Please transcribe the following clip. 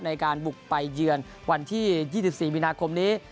ในการบุกไปเยือนวันที่๒๔มีนาคมนี้